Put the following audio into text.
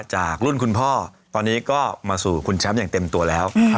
จากรุ่นคุณพ่อตอนนี้ก็มาสู่คุณแชมป์อย่างเต็มตัวแล้ว